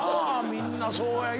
みんなそうや。